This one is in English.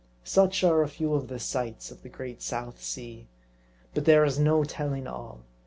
Such ' are a few of the sights of the great South Sea. But there is no telling all.